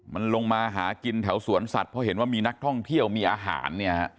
มันลงมาหากินแถวสวนสัตว์เพราะเห็นว่ามีนักท่องเที่ยวมีอาหารเนี่ยฮะ